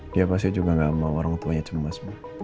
dia pasti juga gak mau orang tuanya itu cemas